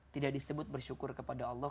tidak disebut bersyukur kepada allah